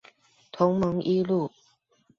同盟一路